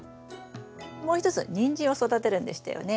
もう一つニンジンを育てるんでしたよね。